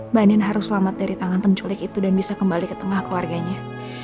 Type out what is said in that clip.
mbak nin harus selamat dari tangan penculik itu dan bisa kembali ke tengah keluarganya